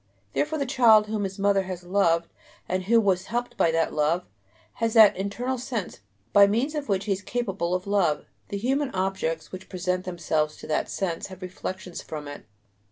Therefore the child whom his mother has loved and who was helped by that love, has that "internal sense" by means of which he is capable of love. The "human objects" which present themselves to that sense have reflections from it.